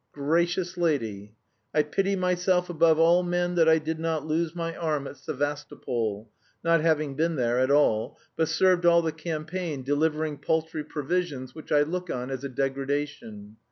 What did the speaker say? "Gracious Lady! "I pity myself above all men that I did not lose my arm at Sevastopol, not having been there at all, but served all the campaign delivering paltry provisions, which I look on as a degradation.